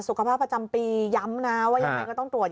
สุขภาพประจำปีย้ำนะว่ายังไงก็ต้องตรวจ